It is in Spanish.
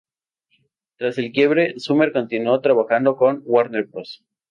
Tras el quiebre, Summer continuó trabajando con Warner Bros.